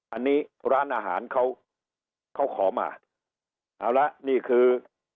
อันนี้ร้านอาหารเขาเขาขอมาเอาละนี่คือ